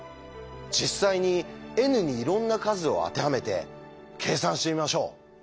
実際にｎにいろんな数を当てはめて計算してみましょう。